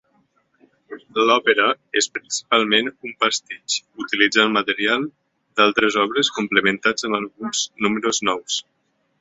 L'òpera és principalment un pastitx, utilitzant material d'altres obres, complementats amb alguns números nous.